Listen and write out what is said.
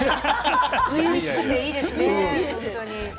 初々しくていいですね。